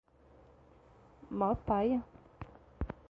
Mó paia